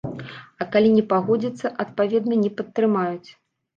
А калі не пагодзіцца, адпаведна, не падтрымаюць.